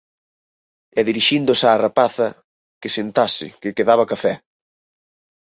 E dirixíndose á rapaza: que sentase, que quedaba café…